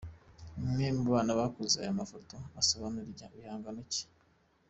Umwe mu bana bakoze aya mafoto asobanura igihangano cye.